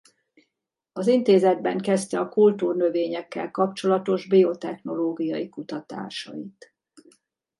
Az intézetben kezdte a kultúrnövényekkel kapcsolatos biotechnológiai kutatásait.